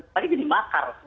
paling jadi makar